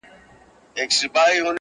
پسرلي راڅخه تېر سول، پر خزان غزل لیکمه.!